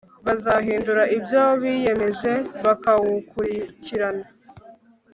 bazahindura ibyo biyemeje, bakawukurikirana